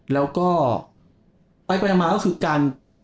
แล้วก็ไปมาก็คือการ